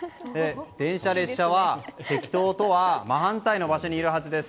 電車、列車はてきととは真反対の場所にいるはずです。